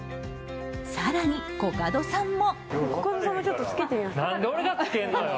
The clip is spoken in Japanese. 更にコカドさんも。